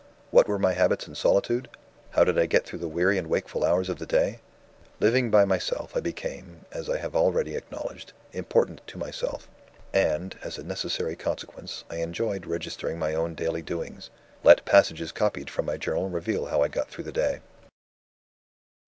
"What were my habits in solitude? How did I get through the weary and wakeful hours of the day? "Living by myself, I became (as I have already acknowledged) important to myself and, as a necessary consequence, I enjoyed registering my own daily doings. Let passages copied from my journal reveal how I got through the day."